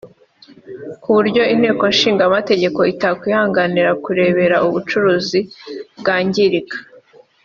ku buryo Inteko Ishinga Amategeko itakwihanganira kurebera ubucuruzi bwangirika